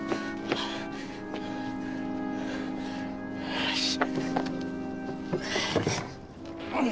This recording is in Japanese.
よし。